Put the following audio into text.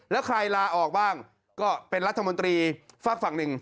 แล้วใครลาออกบ้างก็เป็นรัฐมนตรีฝากฝั่งหนึ่ง